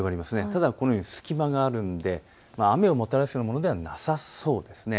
ただこのように隙間があるので雨をもたらすようなものではなさそうです。